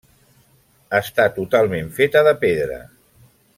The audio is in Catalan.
Està totalment feta de pedra.